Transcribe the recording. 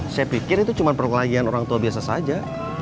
saya pikir itu cuma perkelahian orang tua biasa saja